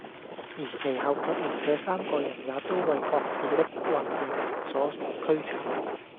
而其後卻連這三個人也都爲各自的運命所驅策，